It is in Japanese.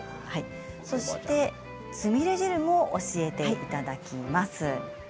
そしてつみれ汁も教えていただきます。